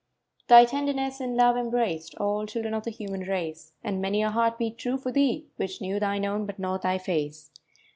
Thy tenderness and love embraced All children of the human race, And many a heart beat true for thee Which knew thine own, but not thy face.